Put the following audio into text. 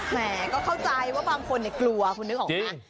แหมก็เข้าใจว่าบางคนกลัวคุณนึกออกไหม